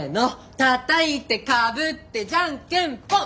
たたいてかぶってじゃんけんぽん！